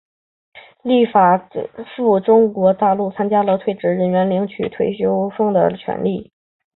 立法院将修法规范停止未经许可赴中国大陆参与政治活动之退职人员领取退休俸的权利。